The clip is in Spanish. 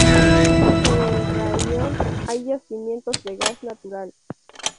En el raión hay yacimientos de gas natural.